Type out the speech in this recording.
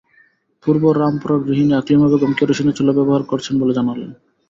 পূর্ব রামপুরার গৃহিণী আকলিমা বেগম কেরোসিনের চুলা ব্যবহার করছেন বলে জানালেন।